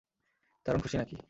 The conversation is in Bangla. দারুণ খুশি নাকি!